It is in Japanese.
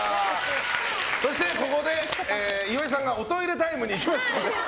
そして、ここで岩井さんがおトイレタイムに入りました。